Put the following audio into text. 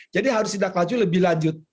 jadi harus tindak lanjut lebih lanjut